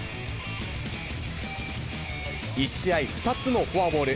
１試合２つのフォアボール。